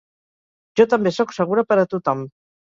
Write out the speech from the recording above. Jo també soc segura per a tothom.